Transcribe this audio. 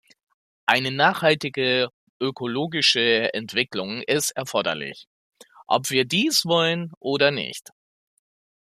Eine nachhaltige ökologische Entwicklung ist erforderlich, ob wir dies wollen oder nicht.